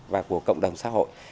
và của cộng đồng xã hội